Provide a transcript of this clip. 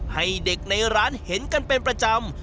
ให้เด็กในร้านเห็นกันเป็นประจำ